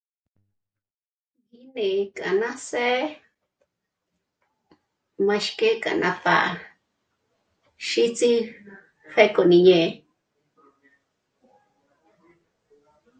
Rí k'âná së̀'ë máxk'e ké nápjá'a xíts'i pjéko gí ñé'e